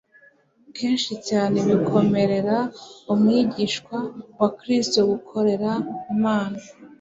Kenshi cyane bikomerera umwigishwa wa Kristo gukorera Imana